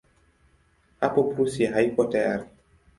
Hapo Prussia haikuwa tayari.